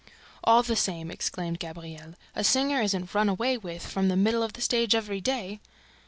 "All the same," exclaimed Gabriel, "a singer isn't run away with, from the middle of the stage, every day!"